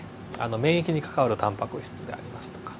免疫に関わるタンパク質でありますとか。